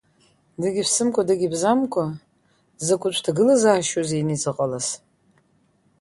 Дагьыԥсымкәа-дагьыбзамкәа, закәытә ҭагылазаашьоузеи инеизыҟалаз!